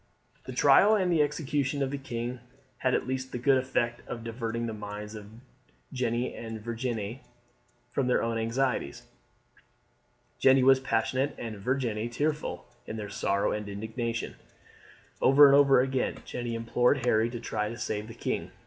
The trial and execution of the king had at least the good effect of diverting the minds of Jeanne and Virginie from their own anxieties. Jeanne was passionate and Virginie tearful in their sorrow and indignation. Over and over again Jeanne implored Harry to try to save the king.